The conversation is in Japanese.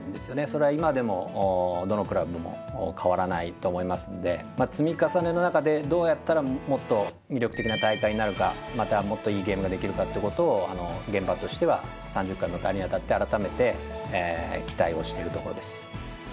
それは今でもどのクラブも変わらないと思いますんで積み重ねの中でどうやったらもっと魅力的な大会になるかまたもっといいゲームができるかってことを現場としては３０回を迎えるに当たってあらためて期待をしているところです。